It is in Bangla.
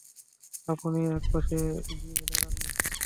আপনিও এক পাশে গিয়ে দাঁড়ান-না।